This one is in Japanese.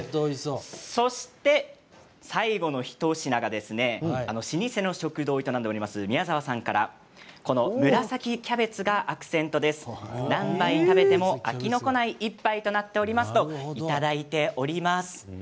最後の一品が老舗の食堂を営んでいるみやざわさんからこの紫キャベツがアクセントです、何杯食べても飽きのこない１杯になっていますといただいております。